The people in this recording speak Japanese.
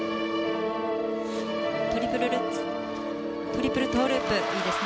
トリプルルッツトリプルトゥループいいですね。